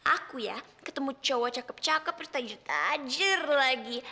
aku ya ketemu cowok cakep cakep terus tajir tajir lagi